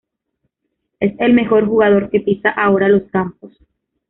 Es el mejor jugador que pisa ahora los campos"".